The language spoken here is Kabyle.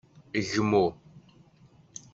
Gmu.